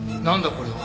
これは。